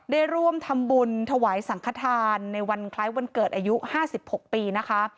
ได้ร่วมทำบุญถวายสังขทานในวันคล้ายวันเกิดอายุ๕๖ปีนะคะ